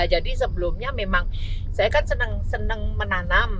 jadi sebelumnya memang saya kan senang menanam